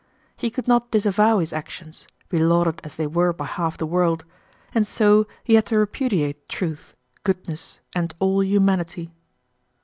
He could not disavow his actions, belauded as they were by half the world, and so he had to repudiate truth, goodness, and all humanity.